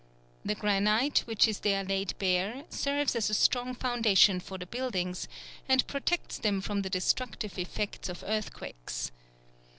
The granite, which is there laid bare, serves as a strong foundation for the buildings, and protects them from the destructive effects of earthquakes.